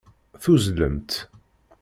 Tuzzlemt.